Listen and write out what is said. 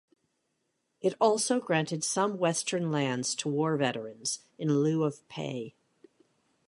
It also granted some western lands to war veterans in lieu of pay.